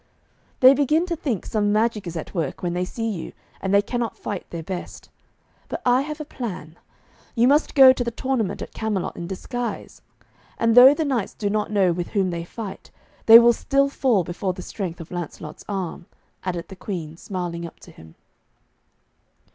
'They begin to think some magic is at work when they see you, and they cannot fight their best. But I have a plan. You must go to the tournament at Camelot in disguise. And though the knights do not know with whom they fight, they will still fall before the strength of Lancelot's arm,' added the Queen, smiling up to him.